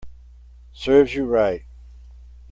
Serves you right